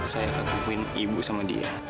saya ketemuin ibu sama dia